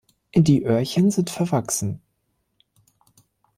Die Öhrchen sind verwachsen.